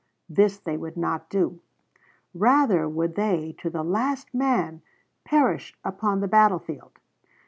This they would not do. Rather would they, to the last man, perish upon the battlefield.